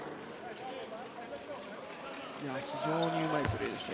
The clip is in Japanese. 非常にうまいプレーでした。